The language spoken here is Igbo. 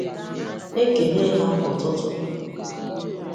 E kelee ha ụtụtụ